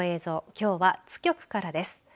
きょうは津局からです。